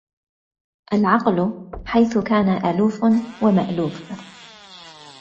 الْعَقْلُ حَيْثُ كَانَ أَلُوفٌ وَمَأْلُوفٌ